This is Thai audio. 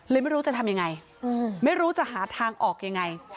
ไม่รู้จะทำยังไงไม่รู้จะหาทางออกยังไง